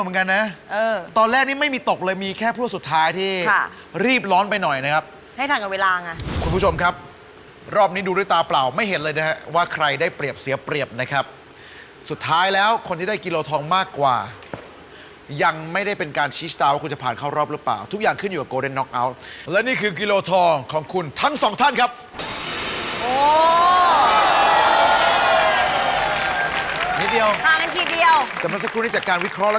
คุณมาริโอคุณตอบไปแล้วคุณมาริโอพร้อมนะฮะ